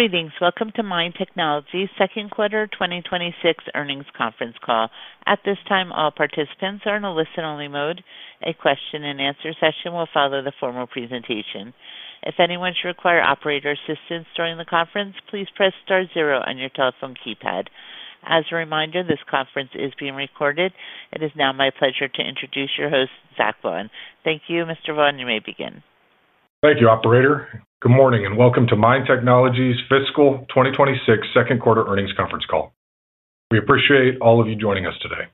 Greetings. Welcome to MIND Technology's second quarter 2026 earnings conference call. At this time, all participants are in a listen-only mode. A question and answer session will follow the formal presentation. If anyone should require operator assistance during the conference, please press star zero on your telephone keypad. As a reminder, this conference is being recorded. It is now my pleasure to introduce your host, Zach Vaughan. Thank you, Mr. Vaughan. You may begin. Thank you, Operator. Good morning and welcome to MIND Technology's fiscal 2026 second quarter earnings conference call. We appreciate all of you joining us today.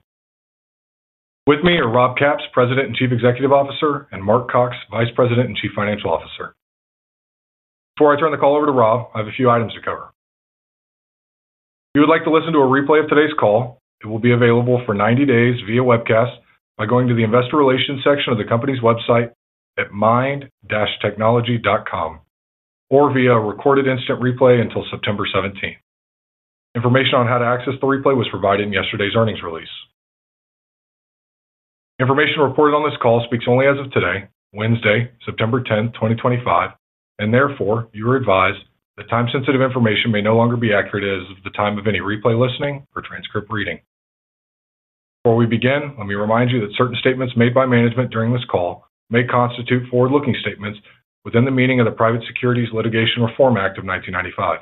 With me are Rob Capps, President and Chief Executive Officer, and Mark Cox, Vice President and Chief Financial Officer. Before I turn the call over to Rob, I have a few items to cover. If you would like to listen to a replay of today's call, it will be available for 90 days via webcast by going to the Investor Relations section of the company's website at mind-technology.com or via a recorded instant replay until September 17th. Information on how to access the replay was provided in yesterday's earnings release. Information reported on this call speaks only as of today, Wednesday, September 10th, 2025, and therefore you are advised that time-sensitive information may no longer be accurate as of the time of any replay listening or transcript reading. Before we begin, let me remind you that certain statements made by management during this call may constitute forward-looking statements within the meaning of the Private Securities Litigation Reform Act of 1995.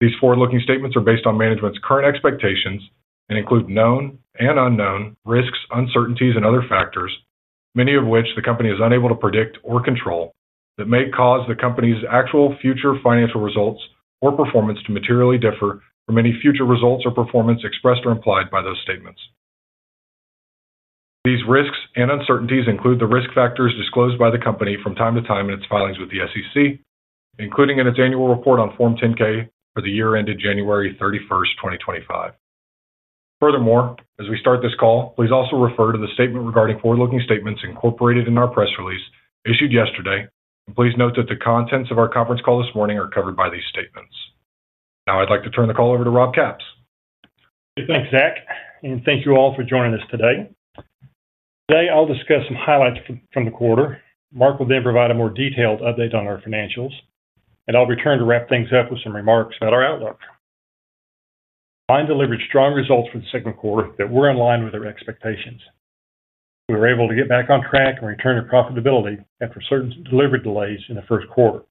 These forward-looking statements are based on management's current expectations and include known and unknown risks, uncertainties, and other factors, many of which the company is unable to predict or control, that may cause the company's actual future financial results or performance to materially differ from any future results or performance expressed or implied by those statements. These risks and uncertainties include the risk factors disclosed by the company from time to time in its filings with the SEC, including in its annual report on Form 10-K for the year ended January 31st, 2025. Furthermore, as we start this call, please also refer to the statement regarding forward-looking statements incorporated in our press release issued yesterday, and please note that the contents of our conference call this morning are covered by these statements. Now I'd like to turn the call over to Rob Capps. Thanks, Zach, and thank you all for joining us today. Today, I'll discuss some highlights from the quarter. Mark will then provide a more detailed update on our financials, and I'll return to wrap things up with some remarks about our outlook. MIND delivered strong results for the second quarter that were in line with our expectations. We were able to get back on track and return to profitability after certain delivery delays in the first quarter.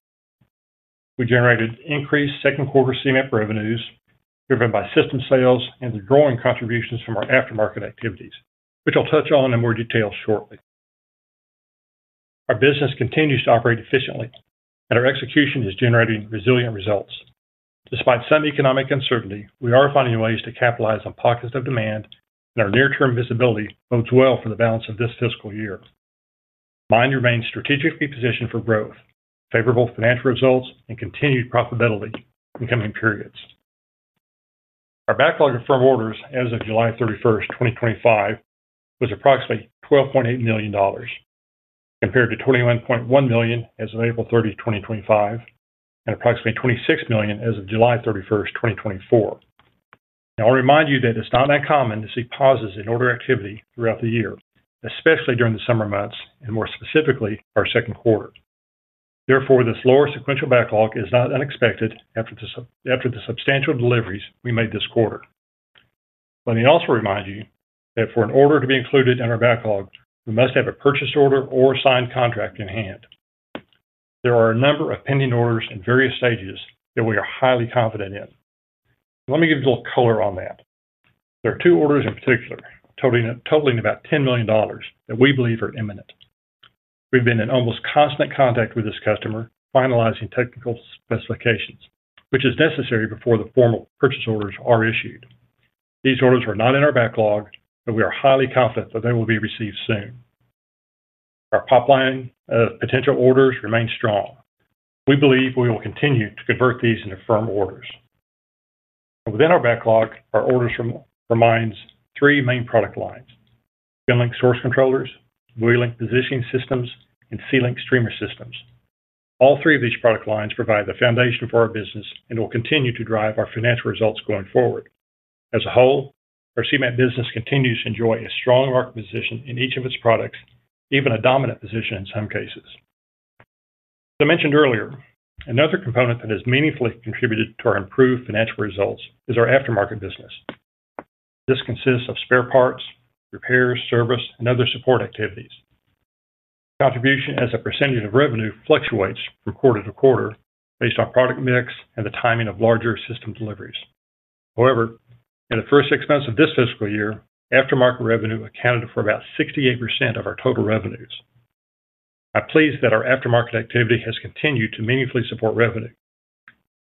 We generated increased second quarter CMIP revenues driven by system sales and the growing contributions from our aftermarket activities, which I'll touch on in more detail shortly. Our business continues to operate efficiently, and our execution is generating resilient results. Despite some economic uncertainty, we are finding ways to capitalize on pockets of demand, and our near-term visibility bodes well for the balance of this fiscal year. MIND remains strategically positioned for growth, favorable financial results, and continued profitability in coming periods. Our backlog of firm orders as of July 31, 2025, was approximately $12.8 million compared to $21.1 million as of April 30, 2025, and approximately $26 million as of July 31, 2024. Now, I'll remind you that it's not uncommon to see pauses in order activity throughout the year, especially during the summer months and more specifically our second quarter. Therefore, this lower sequential backlog is not unexpected after the substantial deliveries we made this quarter. Let me also remind you that for an order to be included in our backlog, we must have a purchase order or signed contract in hand. There are a number of pending orders in various stages that we are highly confident in. Let me give you a little color on that. There are two orders in particular totaling about $10 million that we believe are imminent. We've been in almost constant contact with this customer, finalizing technical specifications, which is necessary before the formal purchase orders are issued. These orders are not in our backlog, but we are highly confident that they will be received soon. Our pipeline of potential orders remains strong. We believe we will continue to convert these into firm orders. Within our backlog, our orders remain three main product lines: Firing Source Controllers, Towing Positioning Systems, and Sealing Streamer Systems. All three of these product lines provide the foundation for our business and will continue to drive our financial results going forward. As a whole, our CMAP business continues to enjoy a strong market position in each of its products, even a dominant position in some cases. As I mentioned earlier, another component that has meaningfully contributed to our improved financial results is our aftermarket business. This consists of spare parts, repairs, service, and other support activities. Contribution as a percentage of revenue fluctuates from quarter to quarter based on product mix and the timing of larger system deliveries. However, in the first six months of this fiscal year, aftermarket revenue accounted for about 68% of our total revenues. I'm pleased that our aftermarket activity has continued to meaningfully support revenue.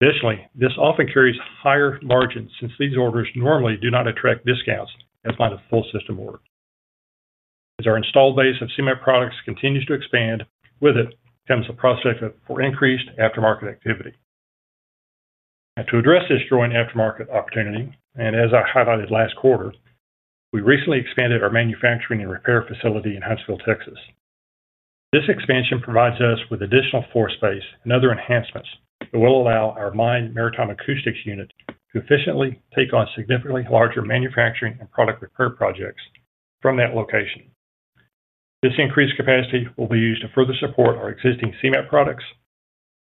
Additionally, this often carries higher margins since these orders normally do not attract discounts as might a full system order. As our installed base of CMAP products continues to expand, with it comes the prospect for increased aftermarket activity. To address this growing aftermarket opportunity, and as I highlighted last quarter, we recently expanded our manufacturing and repair facility in Huntsville, Texas. This expansion provides us with additional floor space and other enhancements that will allow our MIND Maritime Acoustics Unit to efficiently take on significantly larger manufacturing and product recurring projects from that location. This increased capacity will be used to further support our existing CMAP products,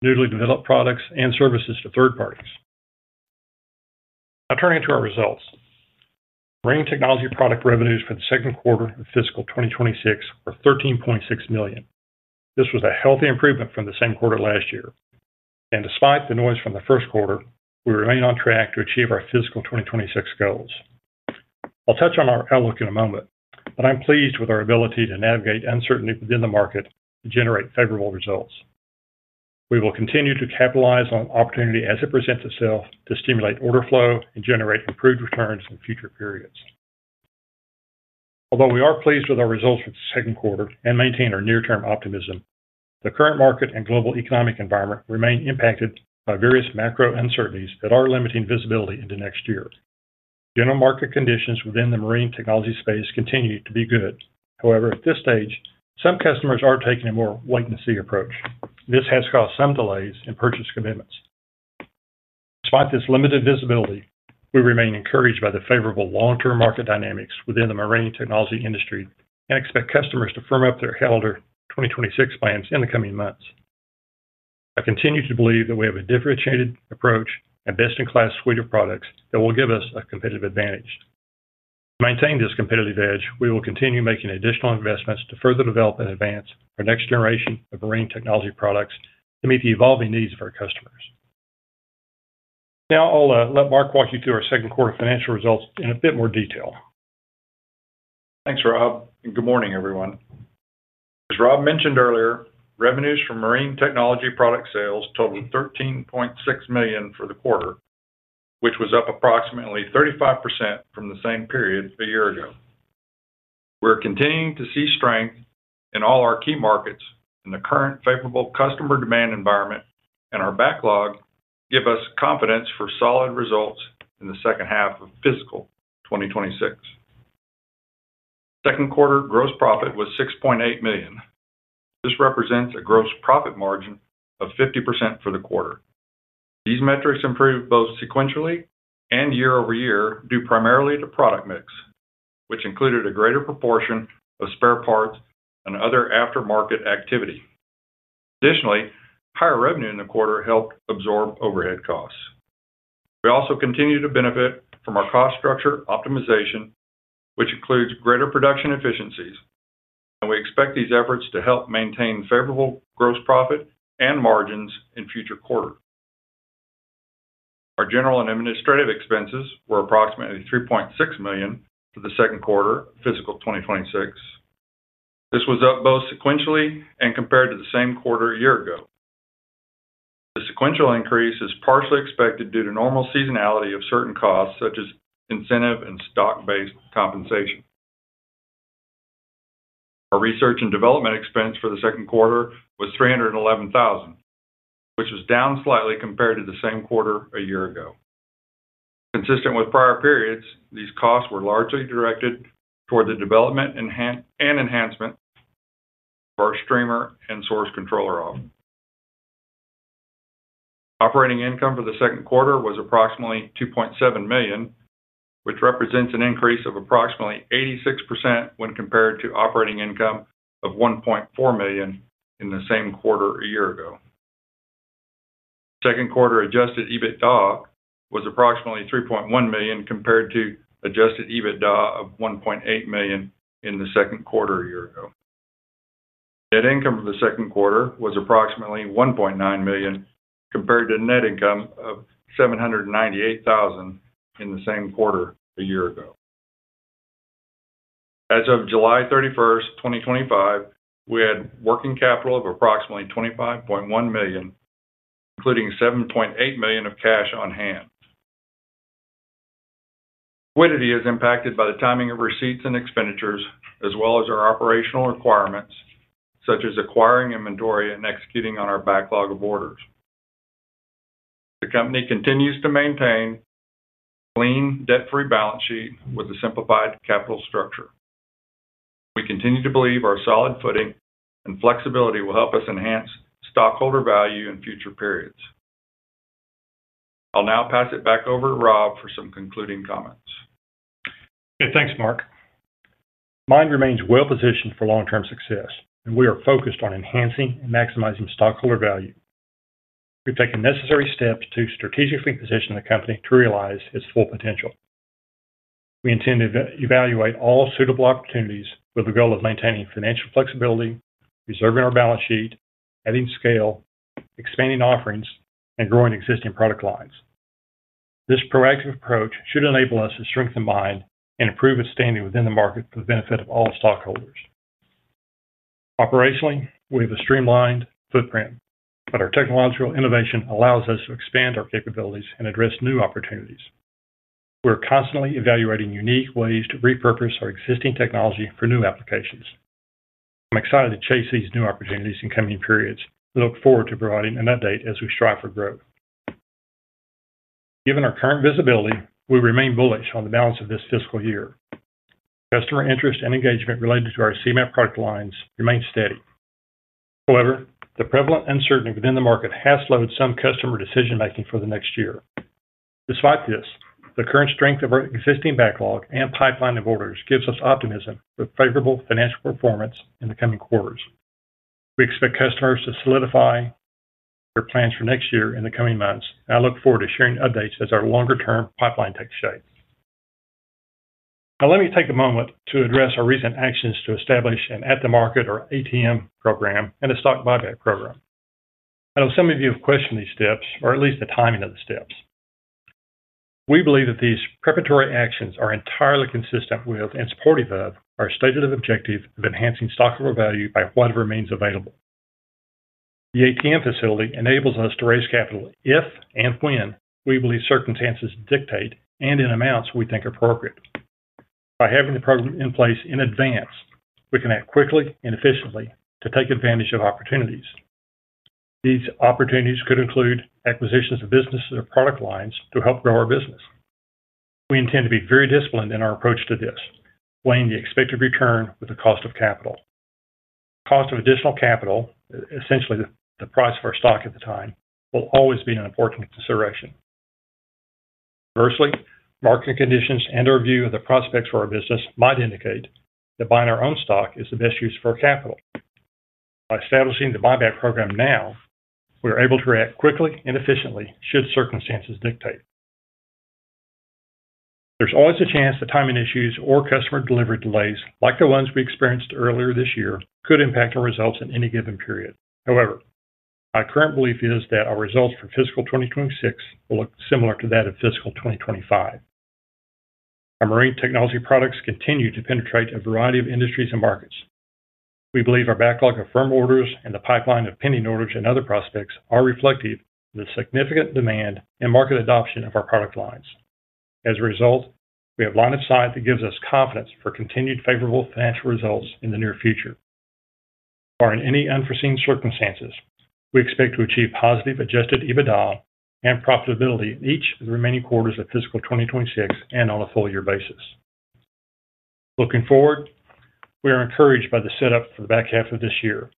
newly developed products, and services to third parties. I turn into our results. MIND Technology product revenues for the second quarter of fiscal 2026 were $13.6 million. This was a healthy improvement from the same quarter last year. Despite the noise from the first quarter, we remain on track to achieve our fiscal 2026 goals. I'll touch on our outlook in a moment, but I'm pleased with our ability to navigate uncertainty within the market to generate favorable results. We will continue to capitalize on opportunity as it presents itself to stimulate order flow and generate improved returns in future periods. Although we are pleased with our results for the second quarter and maintain our near-term optimism, the current market and global economic environment remain impacted by various macro uncertainties that are limiting visibility into next year. General market conditions within the marine technology space continue to be good. However, at this stage, some customers are taking a more wait-and-see approach. This has caused some delays in purchase commitments. Despite this limited visibility, we remain encouraged by the favorable long-term market dynamics within the marine technology industry and expect customers to firm up their held 2026 plans in the coming months. I continue to believe that we have a differentiated approach and best-in-class suite of products that will give us a competitive advantage. To maintain this competitive edge, we will continue making additional investments to further develop and advance our next generation of marine technology products to meet the evolving needs of our customers. Now I'll let Mark walk you through our second quarter financial results in a bit more detail. Thanks, Rob, and good morning, everyone. As Rob mentioned earlier, revenues from marine technology product sales totaled $13.6 million for the quarter, which was up approximately 35% from the same period a year ago. We're continuing to see strength in all our key markets in the current favorable customer demand environment, and our backlog gives us confidence for solid results in the second half of fiscal 2026. Second quarter gross profit was $6.8 million. This represents a gross profit margin of 50% for the quarter. These metrics improved both sequentially and year over year due primarily to product mix, which included a greater proportion of spare parts and other aftermarket activity. Additionally, higher revenue in the quarter helped absorb overhead costs. We also continue to benefit from our cost structure optimization, which includes greater production efficiencies, and we expect these efforts to help maintain favorable gross profit and margins in the future quarter. Our general and administrative expenses were approximately $3.6 million for the second quarter of fiscal 2026. This was up both sequentially and compared to the same quarter a year ago. The sequential increase is partially expected due to normal seasonality of certain costs, such as incentive and stock-based compensation. Our research and development expense for the second quarter was $311,000, which was down slightly compared to the same quarter a year ago. Consistent with prior periods, these costs were largely directed toward the development and enhancement of our streamer and Firing Source Controller office. Operating income for the second quarter was approximately $2.7 million, which represents an increase of approximately 86% when compared to operating income of $1.4 million in the same quarter a year ago. Second quarter adjusted EBITDA was approximately $3.1 million compared to adjusted EBITDA of $1.8 million in the second quarter a year ago. Net income of the second quarter was approximately $1.9 million compared to net income of $798,000 in the same quarter a year ago. As of July 31, 2025, we had working capital of approximately $25.1 million, including $7.8 million of cash on hand. Liquidity is impacted by the timing of receipts and expenditures, as well as our operational requirements, such as acquiring inventory and executing on our backlog of orders. The company continues to maintain a clean, debt-free balance sheet with a simplified capital structure. We continue to believe our solid footing and flexibility will help us enhance stockholder value in future periods. I'll now pass it back over to Rob for some concluding comments. Okay, thanks, Mark. MIND remains well-positioned for long-term success, and we are focused on enhancing and maximizing stockholder value. We've taken necessary steps to strategically position the company to realize its full potential. We intend to evaluate all suitable opportunities with the goal of maintaining financial flexibility, preserving our balance sheet, adding scale, expanding offerings, and growing existing product lines. This proactive approach should enable us to strengthen MIND and improve its standing within the market for the benefit of all stockholders. Operationally, we have a streamlined footprint, but our technological innovation allows us to expand our capabilities and address new opportunities. We're constantly evaluating unique ways to repurpose our existing technology for new applications. I'm excited to chase these new opportunities in coming periods and look forward to providing an update as we strive for growth. Given our current visibility, we remain bullish on the balance of this fiscal year. Customer interest and engagement related to our CMAP product lines remain steady. However, the prevalent uncertainty within the market has slowed some customer decision-making for the next year. Despite this, the current strength of our existing backlog and pipeline of orders gives us optimism with favorable financial performance in the coming quarters. We expect customers to solidify their plans for next year and the coming months, and I look forward to sharing updates as our longer-term pipeline takes shape. Now, let me take a moment to address our recent actions to establish an at-the-market or ATM program and a stock buyback program. I know some of you have questioned these steps, or at least the timing of the steps. We believe that these preparatory actions are entirely consistent with and supportive of our stated objective of enhancing stockholder value by whatever means available. The ATM facility enables us to raise capital if and when we believe circumstances dictate and in amounts we think appropriate. By having the program in place in advance, we can act quickly and efficiently to take advantage of opportunities. These opportunities could include acquisitions of businesses or product lines to help grow our business. We intend to be very disciplined in our approach to this, weighing the expected return with the cost of capital. The cost of additional capital, essentially the price of our stock at the time, will always be an important consideration. Conversely, market conditions and our view of the prospects for our business might indicate that buying our own stock is the best use of our capital. By establishing the buyback program now, we are able to react quickly and efficiently should circumstances dictate. There's always a chance that timing issues or customer delivery delays, like the ones we experienced earlier this year, could impact our results in any given period. However, my current belief is that our results for fiscal 2026 will look similar to that of fiscal 2025. Our marine technology products continue to penetrate a variety of industries and markets. We believe our backlog of firm orders and the pipeline of pending orders and other prospects are reflective of the significant demand and market adoption of our product lines. As a result, we have line of sight that gives us confidence for continued favorable financial results in the near future. Barring any unforeseen circumstances, we expect to achieve positive adjusted EBITDA and profitability in each of the remaining quarters of fiscal 2026 and on a full-year basis. Looking forward, we are encouraged by the setup for the back half of this year,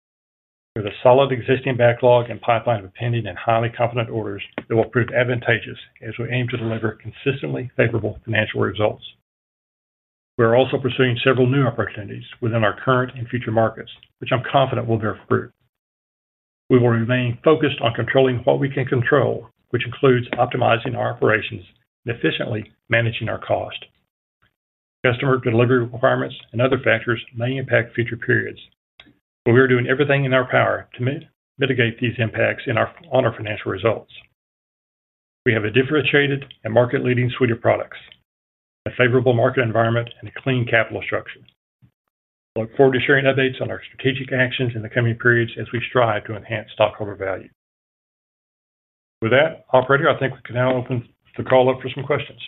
with a solid existing backlog and pipeline of pending and highly competent orders that will prove advantageous as we aim to deliver consistently favorable financial results. We are also pursuing several new opportunities within our current and future markets, which I'm confident will bear fruit. We will remain focused on controlling what we can control, which includes optimizing our operations and efficiently managing our cost. Customer delivery requirements and other factors may impact future periods, but we are doing everything in our power to mitigate these impacts on our financial results. We have a differentiated and market-leading suite of products, a favorable market environment, and a clean capital structure. I look forward to sharing updates on our strategic actions in the coming periods as we strive to enhance stockholder value. With that, Operator, I think we can now open the call up for some questions.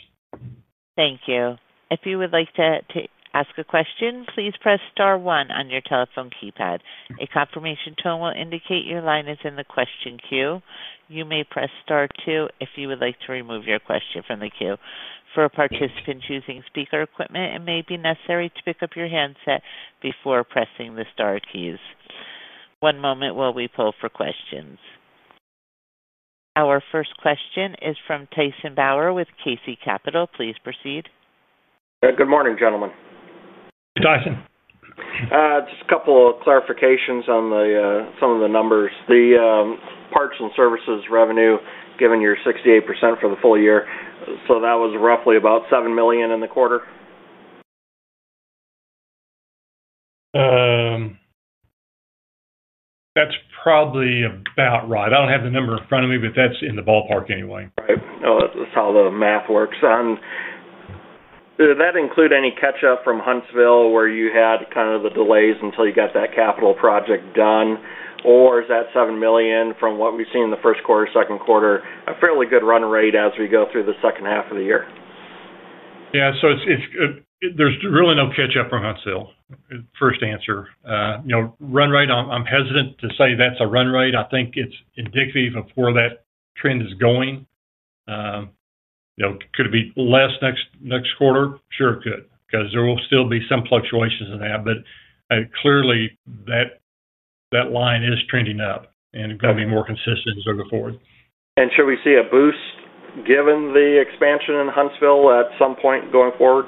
Thank you. If you would like to ask a question, please press star one on your telephone keypad. A confirmation tone will indicate your line is in the question queue. You may press star two if you would like to remove your question from the queue. For participants using speaker equipment, it may be necessary to pick up your handset before pressing the star keys. One moment while we pull for questions. Our first question is from Tyson Bauer with KC Capital. Please proceed. Good morning, gentlemen. Tyson. Just a couple of clarifications on some of the numbers. The parts and services revenue, given your 68% for the full year, so that was roughly about $7 million in the quarter? That's probably about right. I don't have the number in front of me, but that's in the ballpark anyway. No, that's how the math works. Does that include any catch-up from Huntsville where you had kind of the delays until you got that capital project done? Or is that $7 million from what we've seen in the first quarter, second quarter, a fairly good run rate as we go through the second half of the year? Yeah, there's really no catch-up from Huntsville, first answer. You know, run rate, I'm hesitant to say that's a run rate. I think it's indicative of where that trend is going. You know, could it be less next quarter? Sure, it could, because there will still be some fluctuations in that, but clearly that line is trending up and going to be more consistent as we go forward. Should we see a boost given the expansion in Huntsville at some point going forward?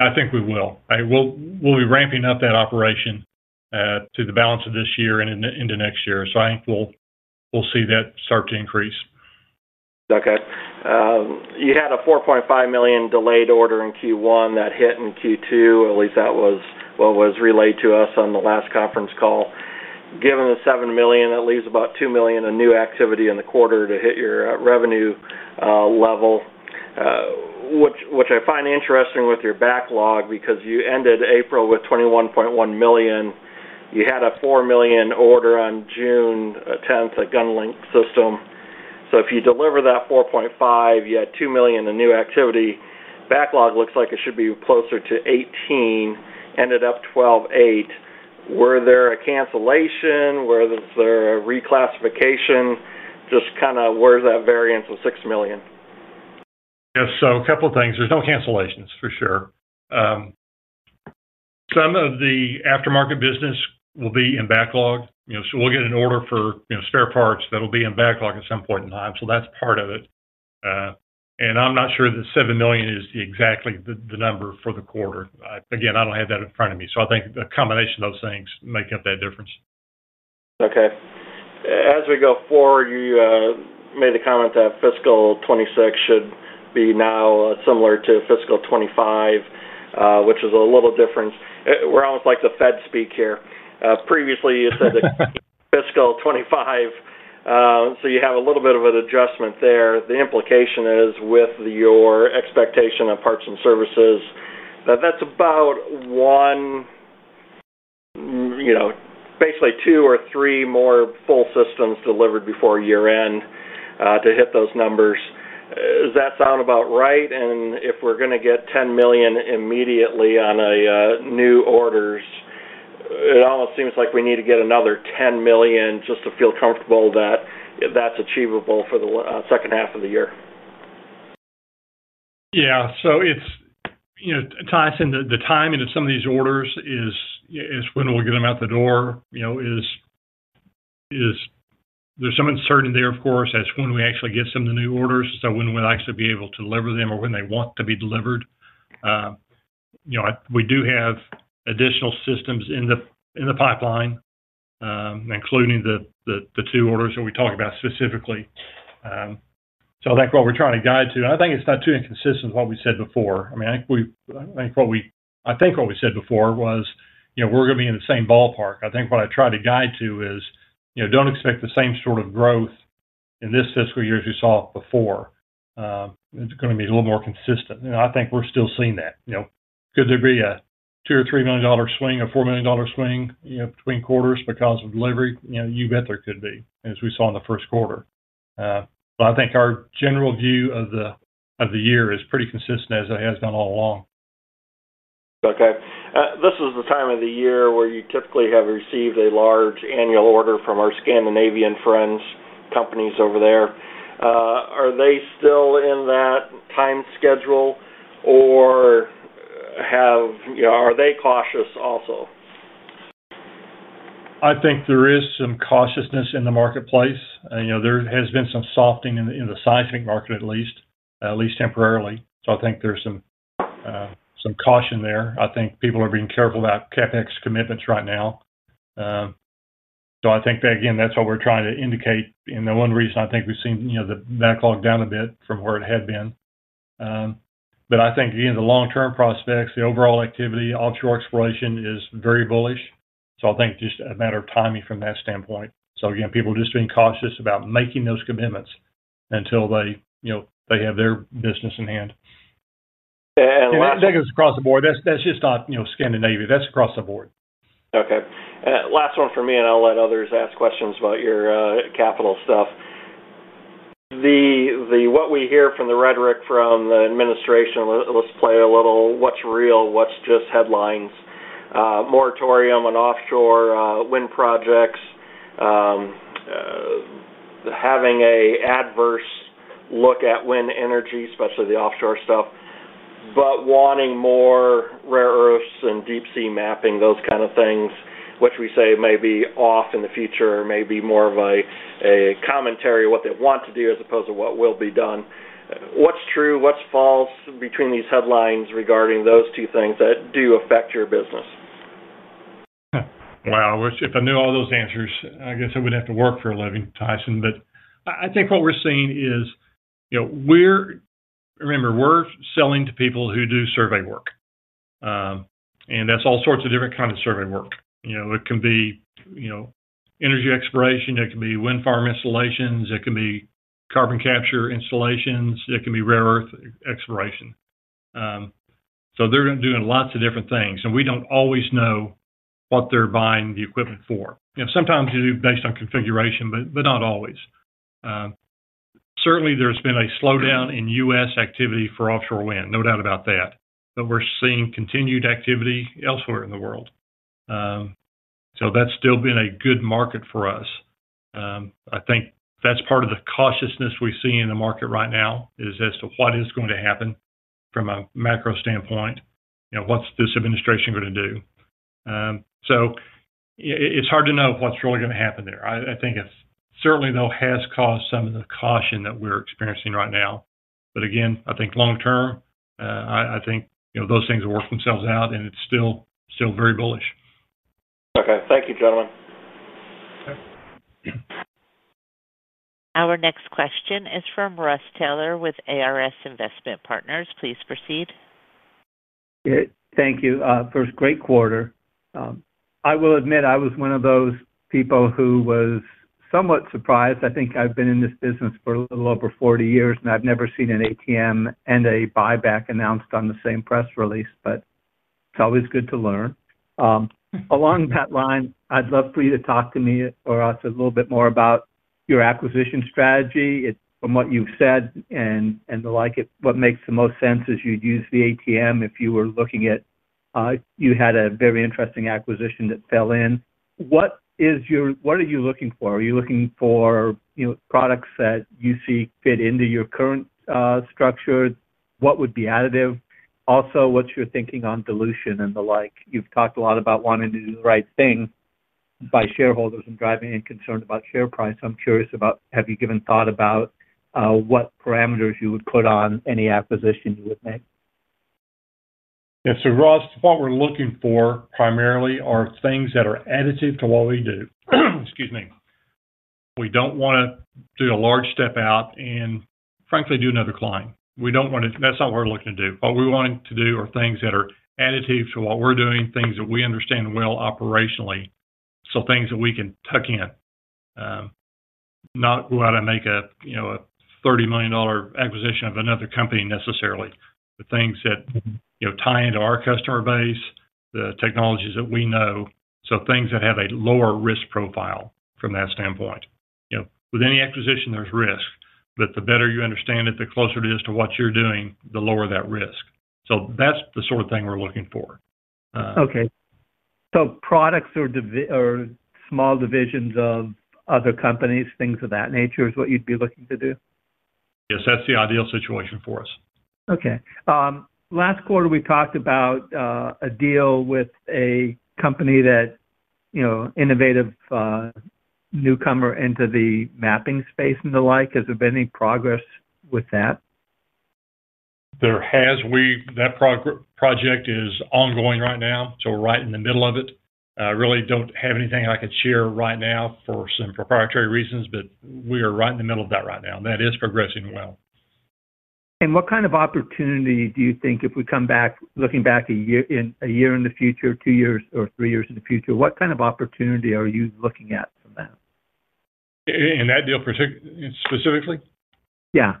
I think we will be ramping up that operation to the balance of this year and into next year. I think we'll see that start to increase. Okay. You had a $4.5 million delayed order in Q1 that hit in Q2. At least that was what was relayed to us on the last conference call. Given the $7 million, that leaves about $2 million in new activity in the quarter to hit your revenue level, which I find interesting with your backlog because you ended April with $21.1 million. You had a $4 million order on June 10th, a GunLink system. If you deliver that $4.5, you had $2 million in new activity. Backlog looks like it should be closer to $18 million, ended up $12.8. Were there a cancellation? Was there a reclassification? Just kind of where's that variance of $6 million? Yeah, a couple of things. There's no cancellations for sure. Some of the aftermarket business will be in backlog. You know, we'll get an order for, you know, spare parts that'll be in backlog at some point in time. That's part of it. I'm not sure that $7 million is the exact number for the quarter. Again, I don't have that in front of me. I think a combination of those things make up that difference. Okay. As we go forward, you made the comment that fiscal 2026 should be now similar to fiscal 2025, which is a little different. We're almost like the Fed speak here. Previously, you said that fiscal 2025, so you have a little bit of an adjustment there. The implication is with your expectation of parts and services that that's about one, you know, basically two or three more full systems delivered before year end to hit those numbers. Does that sound about right? If we're going to get $10 million immediately on new orders, it almost seems like we need to get another $10 million just to feel comfortable that that's achievable for the second half of the year. Yeah, so it's, you know, Tyson, the timing of some of these orders is when we'll get them out the door. There's some uncertainty there, of course, as to when we actually get some of the new orders, so when we'll actually be able to deliver them or when they want to be delivered. We do have additional systems in the pipeline, including the two orders that we talked about specifically. That's what we're trying to guide to. I think it's not too inconsistent with what we said before. I mean, I think what we said before was, you know, we're going to be in the same ballpark. I think what I tried to guide to is, you know, don't expect the same sort of growth in this fiscal year as you saw before. It's going to be a little more consistent. I think we're still seeing that. Could there be a $2 million or $3 million swing, a $4 million swing, between quarters because of delivery? You bet there could be, as we saw in the first quarter. I think our general view of the year is pretty consistent as it has been all along. Okay. This is the time of the year where you typically have received a large annual order from our Scandinavian friends, companies over there. Are they still in that time schedule or have, you know, are they cautious also? I think there is some cautiousness in the marketplace. You know, there has been some softening in the seismic market, at least temporarily. I think there's some caution there. I think people are being careful about CapEx commitments right now. I think that, again, that's what we're trying to indicate. The one reason I think we've seen the backlog down a bit from where it had been is that, you know, the long-term prospects, the overall activity, offshore exploration is very bullish. I think it's just a matter of timing from that standpoint. People are just being cautious about making those commitments until they have their business in hand. That goes across the board. That's just not, you know, Scandinavia. That's across the board. Okay. Last one for me, I'll let others ask questions about your capital stuff. What we hear from the rhetoric from the administration, let's play a little what's real, what's just headlines. Moratorium on offshore wind projects, having an adverse look at wind energy, especially the offshore stuff, but wanting more rare earths and deep sea mapping, those kind of things, which we say may be off in the future or may be more of a commentary of what they want to do as opposed to what will be done. What's true, what's false between these headlines regarding those two things that do affect your business? If I knew all those answers, I guess I wouldn't have to work for a living, Tyson. I think what we're seeing is, you know, we're, remember, we're selling to people who do survey work. That's all sorts of different kinds of survey work. It can be energy exploration, it can be wind farm installations, it can be carbon capture installations, it can be rare earth exploration. They're doing lots of different things, and we don't always know what they're buying the equipment for. Sometimes you do based on configuration, but not always. Certainly, there's been a slowdown in U.S. activity for offshore wind, no doubt about that. We're seeing continued activity elsewhere in the world. That's still been a good market for us. I think that's part of the cautiousness we see in the market right now as to what is going to happen from a macro standpoint. What's this administration going to do? It's hard to know what's really going to happen there. I think it certainly has caused some of the caution that we're experiencing right now. Again, I think long term, I think those things will work themselves out, and it's still very bullish. Okay. Thank you, gentlemen. Our next question is from Ross Taylor with ARS Investment Partners. Please proceed. Thank you. First, great quarter. I will admit I was one of those people who was somewhat surprised. I think I've been in this business for a little over 40 years, and I've never seen an ATM and a buyback announced on the same press release, but it's always good to learn. Along that line, I'd love for you to talk to me or us a little bit more about your acquisition strategy. From what you've said and the like, what makes the most sense is you'd use the ATM if you were looking at, you had a very interesting acquisition that fell in. What is your, what are you looking for? Are you looking for, you know, products that you see fit into your current structure? What would be additive? Also, what's your thinking on dilution and the like? You've talked a lot about wanting to do the right thing by shareholders and driving in concerns about share price. I'm curious about, have you given thought about what parameters you would put on any acquisition you would make? Yeah, so Ross, what we're looking for primarily are things that are additive to what we do. We don't want to do a large step out and frankly do another client. We don't want to, that's not what we're looking to do. What we want to do are things that are additive to what we're doing, things that we understand well operationally. Things that we can tuck in, not go out and make a, you know, a $30 million acquisition of another company necessarily, but things that, you know, tie into our customer base, the technologies that we know. Things that have a lower risk profile from that standpoint. You know, with any acquisition, there's risk, but the better you understand it, the closer it is to what you're doing, the lower that risk. That's the sort of thing we're looking for. Okay. Products or small divisions of other companies, things of that nature is what you'd be looking to do? Yes, that's the ideal situation for us. Okay. Last quarter we talked about a deal with a company that, you know, innovative, newcomer into the mapping space and the like. Has there been any progress with that? There has. That project is ongoing right now. We are right in the middle of it. I really don't have anything I could share right now for some proprietary reasons, but we are right in the middle of that right now. That is progressing well. What kind of opportunity do you think if we come back, looking back a year in the future, two years or three years in the future, what kind of opportunity are you looking at from that? In that deal for specifically? Yeah.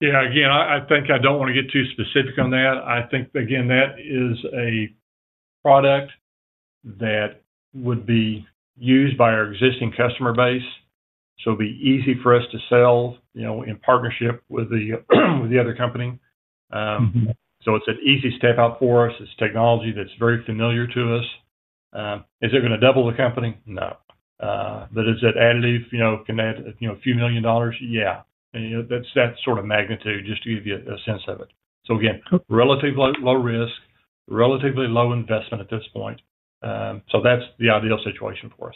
Yeah, I think I don't want to get too specific on that. I think that is a product that would be used by our existing customer base, so it'd be easy for us to sell in partnership with the other company. It's an easy step out for us. It's technology that's very familiar to us. Is it going to double the company? No, but is it additive? You know, can that, you know, a few million dollars? Yeah. That's that sort of magnitude just to give you a sense of it. Again, relatively low risk, relatively low investment at this point. That's the ideal situation for us.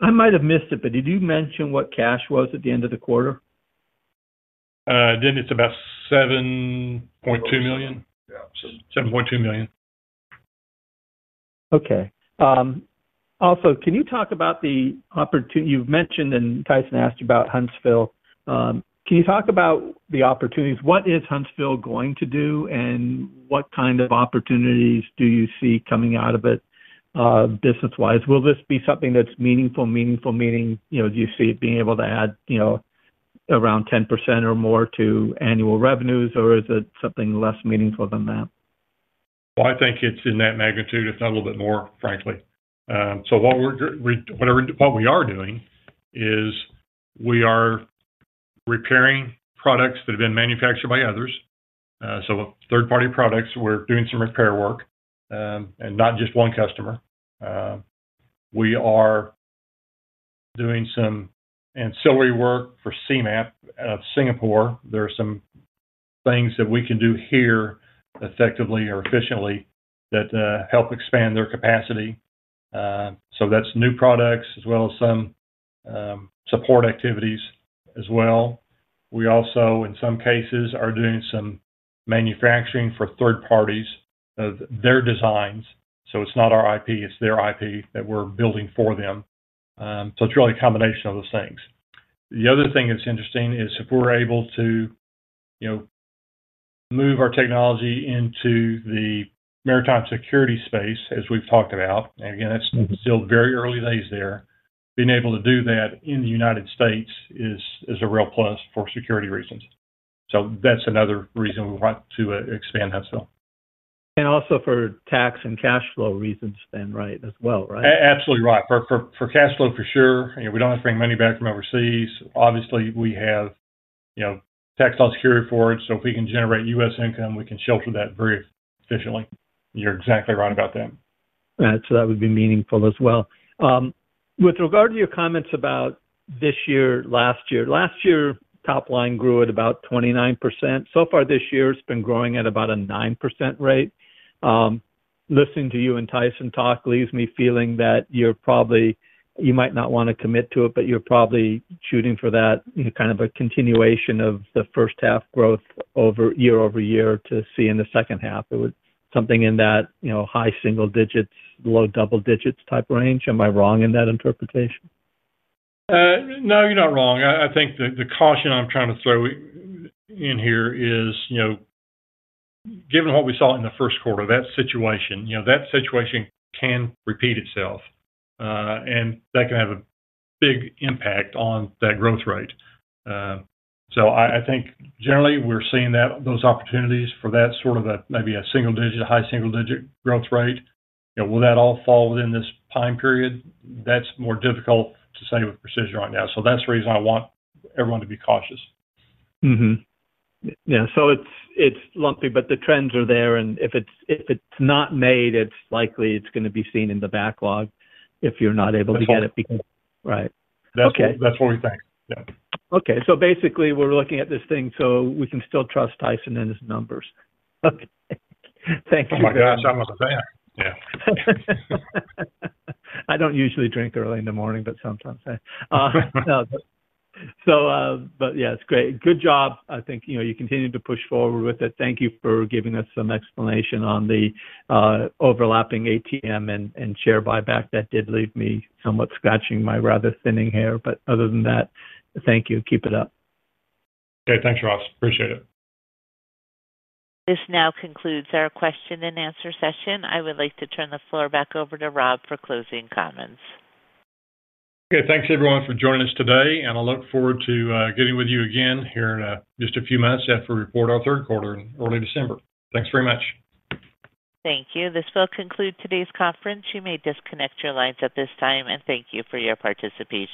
I might have missed it, but did you mention what cash was at the end of the quarter? Didn't it about $7.2 million? Yeah, $7.2 million. Okay. Also, can you talk about the opportunity you've mentioned and Tyson asked you about Huntsville? Can you talk about the opportunities? What is Huntsville going to do and what kind of opportunities do you see coming out of it, business-wise? Will this be something that's meaningful, meaningful, meaning, you know, do you see it being able to add, you know, around 10% or more to annual revenues or is it something less meaningful than that? I think it's in that magnitude, if not a little bit more, frankly. What we are doing is we are repairing products that have been manufactured by others. Third-party products, we're doing some repair work, and not just one customer. We are doing some ancillary work for CMAP out of Singapore. There are some things that we can do here effectively or efficiently that help expand their capacity. That's new products as well as some support activities as well. We also, in some cases, are doing some manufacturing for third parties of their designs. It's not our IP, it's their IP that we're building for them. It's really a combination of those things. The other thing that's interesting is if we're able to move our technology into the maritime security space, as we've talked about, and again, that's still very early days there, being able to do that in the United States is a real plus for security reasons. That's another reason we want to expand Huntsville. For tax and cash flow reasons then, right, as well, right? Absolutely right. For cash flow for sure. We don't have to bring money back from overseas. Obviously, we have tax law security for it. If we can generate U.S. income, we can shelter that very efficiently. You're exactly right about that. All right. That would be meaningful as well. With regard to your comments about this year, last year, last year top line grew at about 29%. So far this year, it's been growing at about a 9% rate. Listening to you and Tyson talk leaves me feeling that you're probably, you might not want to commit to it, but you're probably shooting for that, you know, kind of a continuation of the first half growth over year over year to see in the second half. It would be something in that, you know, high single digits, low double digits type range. Am I wrong in that interpretation? No, you're not wrong. I think the caution I'm trying to throw in here is, you know, given what we saw in the first quarter, that situation can repeat itself, and that can have a big impact on that growth rate. I think generally we're seeing those opportunities for that sort of a maybe a single digit, high single digit growth rate. You know, will that all fall within this time period? That's more difficult to say with precision right now. That's the reason I want everyone to be cautious. Yeah, it's lumpy, but the trends are there, and if it's not made, it's likely it's going to be seen in the backlog if you're not able to get it, right. That's what we think. Yeah. Okay, so basically we're looking at this thing so we can still trust Tyson and his numbers. Okay, thank you. Oh my gosh, I'm going to say that. Yeah. I don't usually drink early in the morning, but sometimes I... Yeah, it's great. Good job. I think you continue to push forward with it. Thank you for giving us some explanation on the overlapping ATM and share buyback. That did leave me somewhat scratching my rather thinning hair, but other than that, thank you. Keep it up. Okay, thanks, Ross. Appreciate it. This now concludes our question and answer session. I would like to turn the floor back over to Rob for closing comments. Okay, thanks everyone for joining us today, and I look forward to getting with you again here in just a few minutes after we report our third quarter in early December. Thanks very much. Thank you. This will conclude today's conference. You may disconnect your lines at this time, and thank you for your participation.